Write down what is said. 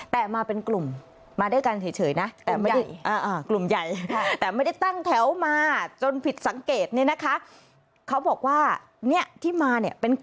แต่มาเป็นกลุ่มมาด้วยกันเฉยเฉยนะแต่ไม่ได้อ่า